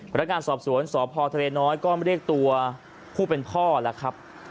พนักงานสอบสวนสพทะเลน้อยก็เรียกตัวผู้เป็นพ่อแล้วครับ